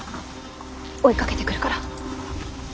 追いかけてくるから。